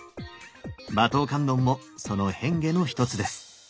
馬頭観音もその変化の一つです。